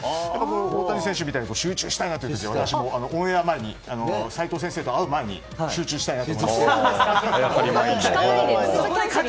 大谷選手みたいに集中したいなという時オンエア前に齋藤先生と会う前に集中したいなと思います。